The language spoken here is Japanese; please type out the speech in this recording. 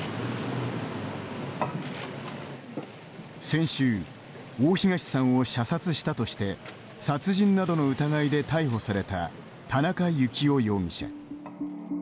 先週、大東さんを射殺したとして、殺人などの疑いで逮捕された田中幸雄容疑者。